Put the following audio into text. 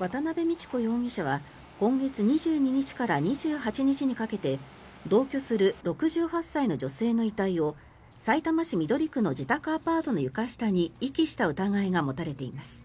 渡邉美智子容疑者は今月２２日から２８日にかけて同居する６８歳の女性の遺体をさいたま市緑区の自宅アパートの床下に遺棄した疑いが持たれています。